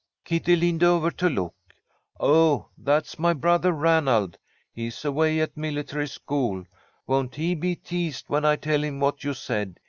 Kitty leaned over to look. "Oh, that's my brother Ranald. He's away at military school. Won't he be teased when I tell him what you said?